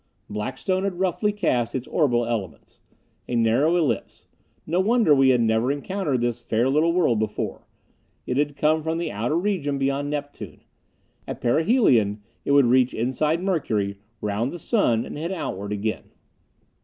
Blackstone had roughly cast its orbital elements. A narrow ellipse. No wonder we had never encountered this fair little world before. It had come from the outer region beyond Neptune. At perihelion it would reach inside Mercury, round the Sun, and head outward again.